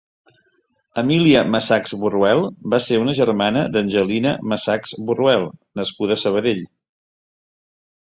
Emília Masachs Borruel va ser una germana d'Angelina Masachs Borruel nascuda a Sabadell.